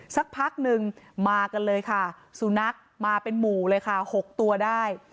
สักพักนึงมากันเลยค่ะสุนัขมาเป็นหมู่เลยค่ะ๖ตัวได้